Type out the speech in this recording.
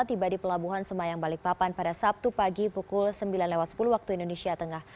tiba di pelabuhan semayang balikpapan pada sabtu pagi pukul sembilan sepuluh waktu indonesia tengah